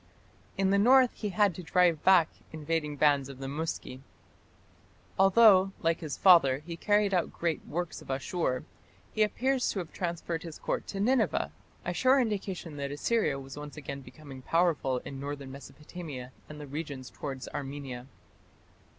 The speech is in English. In the north he had to drive back invading bands of the Muski. Although, like his father, he carried out great works at Asshur, he appears to have transferred his Court to Nineveh, a sure indication that Assyria was once again becoming powerful in northern Mesopotamia and the regions towards Armenia.